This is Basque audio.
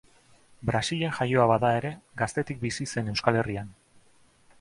Brasilen jaioa bada ere, gaztetik bizi zen Euskal Herrian.